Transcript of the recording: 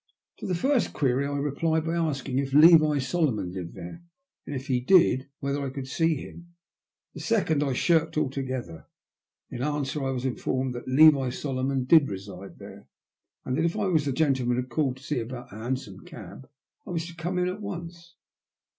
To the j&rst query I replied by asking if Levi Solo mon lived there, and, if he did, whether I could see him. The second I shirked altogether. In answer I was informed that Levi Solomon did reside there, and that if I was the gentleman who had called to see him about a hansom cab I was to come in at once.